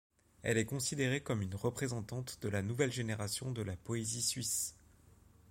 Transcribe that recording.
Elle est considérée comme une représentante de la nouvelle génération de la poésie suisse.